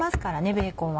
ベーコンは。